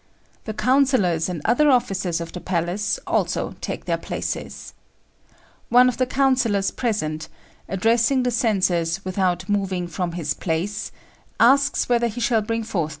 The councillors and other officers of the palace also take their places. One of the councillors present, addressing the censors without moving from his place, asks whether he shall bring forth the prisoner.